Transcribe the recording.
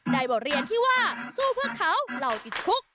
บทเรียนที่ว่าสู้เพื่อเขาเราติดคุก